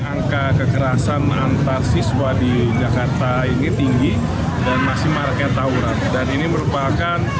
angka kekerasan antarsiswa di jakarta ini tinggi dan masih market tauran dan ini merupakan